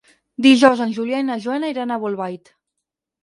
Dijous en Julià i na Joana iran a Bolbait.